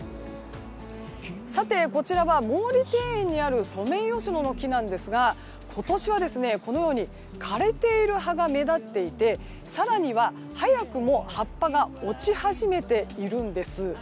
さてこちらは毛利庭園にあるソメイヨシノの木ですが今年は枯れている葉が目立っていて更には、早くも葉っぱが落ち始めているんです。